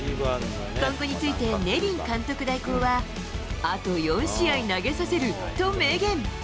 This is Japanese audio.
今後について、ネビン監督代行は、あと４試合投げさせると明言。